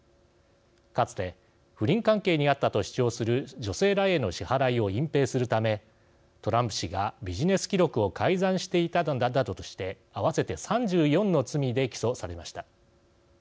かつて不倫関係にあったと主張する女性らへの支払いを隠蔽するためトランプ氏がビジネス記録を改ざんしていたなどとして合わせて３４の罪で起訴されました。